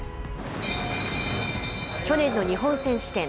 去年の日本選手権。